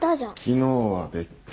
昨日は別件。